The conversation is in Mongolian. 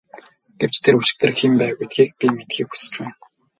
Гэвч тэр өчигдөр хэн байв гэдгийг би мэдэхийг хүсэж байна.